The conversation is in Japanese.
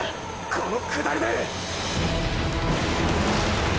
この下りで！！